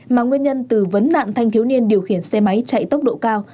mà nguyên nhân từ vấn nạn thanh thiếu niên điều khiển xe máy chạy tốc độ cao